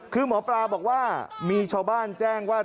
คือหมอปลาบอกว่ามีชาวบ้านแจ้งว่า